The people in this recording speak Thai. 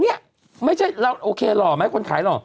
เนี่ยไม่ใช่เราโอเคหล่อไหมคนขายหล่อ